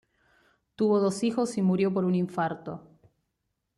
Tuvo dos hijos y murió por un infarto.